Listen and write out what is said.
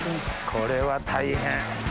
これは大変。